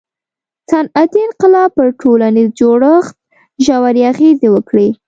• صنعتي انقلاب پر ټولنیز جوړښت ژورې اغیزې وکړې.